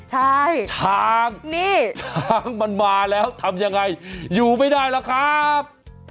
ใช่ช้างนี่ช้างมันมาแล้วทำยังไงอยู่ไม่ได้แล้วครับ